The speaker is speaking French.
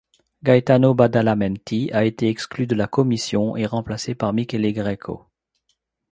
Gaetano Badalamenti a été exclu de la Commission et remplacé par Michele Greco.